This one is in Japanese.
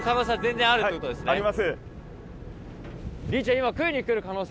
今食いに来る可能性